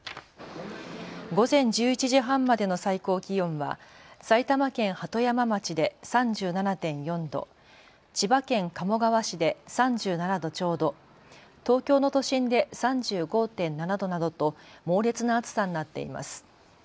午前１１時半までの最高気温は埼玉県鳩山町で３７．４度、千葉県鴨川市で３７度ちょうど、東京の都心で３５．７度などと猛烈な暑さになっています。